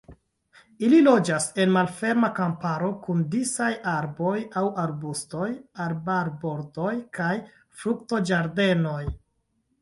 Ili loĝas en malferma kamparo kun disaj arboj aŭ arbustoj, arbarbordoj kaj fruktoĝardenoj.